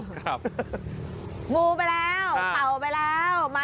งูไปแล้วเต่าไปแล้ว